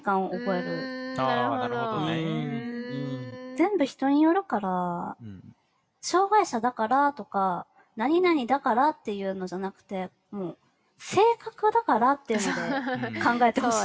全部人によるから障害者だからとか何々だからっていうのじゃなくて性格だからっていうので考えてほしい。